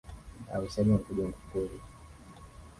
vyakula vingi vinapatikana katika ukanda wa nyanda za juu kusini